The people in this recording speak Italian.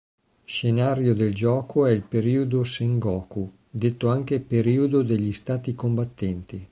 Scenario del gioco è il periodo Sengoku, detto anche periodo degli stati combattenti.